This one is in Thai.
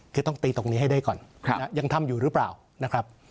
คือต้องตีตรงนี้ให้ได้ก่อนยังทำอยู่หรือเปล่านะครับ